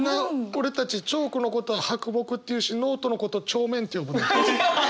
俺たちチョークのことを「白墨」って言うしノートのことを「帳面」って呼ぶの。